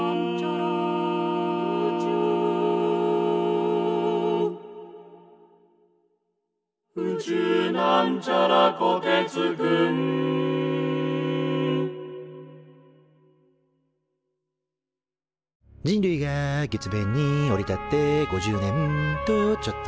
「宇宙」人類が月面に降り立って５０年とちょっと。